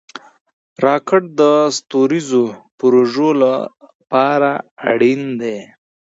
راکټ د ستوریزو پروژو لپاره اړین دی